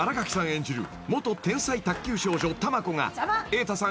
演じる元天才卓球少女多満子が瑛太さん